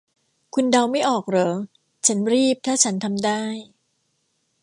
คุณเดาไม่ออกเหรอ 'ฉันรีบถ้าฉันทำได้'